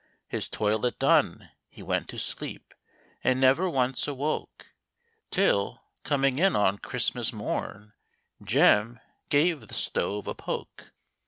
His toilet done, he went to sleep, And never once awoke, Till, coming in on Christmas morn Jem gave the stove a poke.